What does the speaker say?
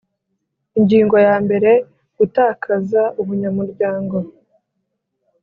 Ingingo yambere Gutakaza Ubunyamuryango